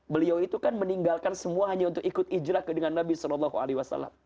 beliau itu kan meninggalkan semuanya untuk ikut ijraq dengan nabi saw